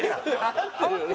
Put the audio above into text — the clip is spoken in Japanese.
合ってるよね？